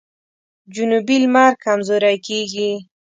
جنوبي لمر کمزوری کیږي.